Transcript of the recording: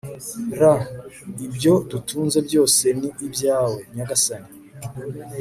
r/ ibyo dutunze byose ni ibyawe, nyagasani